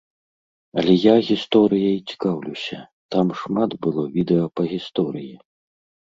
Але я гісторыяй цікаўлюся, там шмат было відэа па гісторыі.